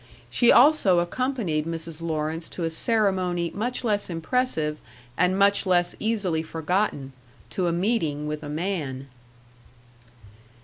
She also accompanied Mrs. Lawrence to a ceremony much less impressive and much less easily forgotten to a meeting with a man.